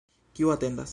Kiu atendas?